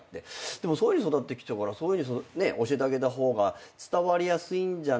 でもそういうふうに育ってきたからそういうふうに教えてあげた方が伝わりやすいんじゃないか。